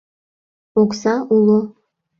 — Окса уло!